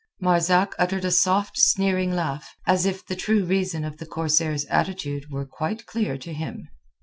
Marzak uttered a soft sneering laugh, as if the true reason of the corsair's attitude were quite clear to him.